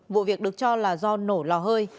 vụ việc được cho là do nổ lò hơi